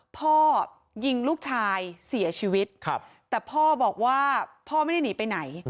พ่อยิงลูกชายเสียชีวิตแต่พ่อบอกว่าพ่อไม่ได้หนีไปไหน